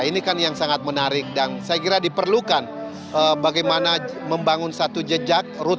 ini kan yang sangat menarik dan saya kira diperlukan bagaimana membangun satu jejak